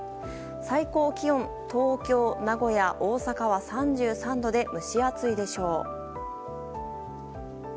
最高気温、東京、名古屋、大阪は３３度で蒸し暑いでしょう。